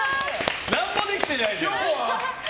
何もできてないじゃん。